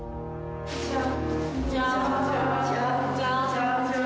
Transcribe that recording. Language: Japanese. こんにちは。